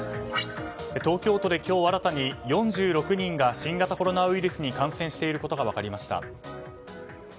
東京都で今日新たに４６人が新型コロナウイルスに感染していることが分かりました。